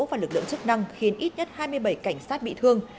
và lực lượng chức năng khiến ít nhất hai mươi bảy cảnh sát bị thương